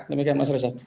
demikian mas resa